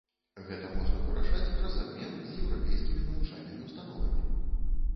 Гэта можна вырашаць праз абмен з еўрапейскімі навучальнымі ўстановамі.